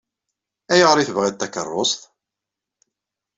Ayɣer i tebɣiḍ takeṛṛust?